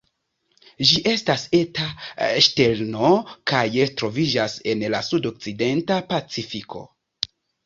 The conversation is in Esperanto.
Ĝi estas eta ŝterno kaj troviĝas en la sudokcidenta Pacifiko.